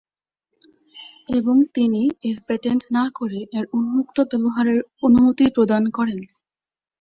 এবং তিনি এর প্যাটেন্ট না করে এর উন্মুক্ত ব্যবহারের অনুমতি প্রদান করেন।